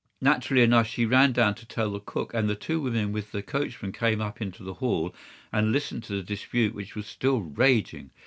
Naturally enough she ran down to tell the cook, and the two women with the coachman came up into the hall and listened to the dispute which was still raging.